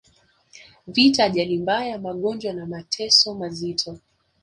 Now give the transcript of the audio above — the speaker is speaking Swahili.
vita ajali mbaya magonjwa na mateso mazito